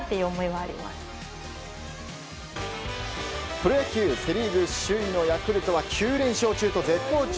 プロ野球、セ・リーグ首位のヤクルトは９連勝中と絶好調。